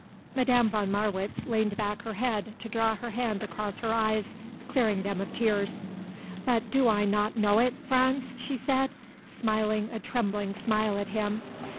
Madame von Marwitz leaned back her head to draw her hand across her eyes, clearing them of tears. "But do I not know it, Franz?" she said, smiling a trembling smile at him.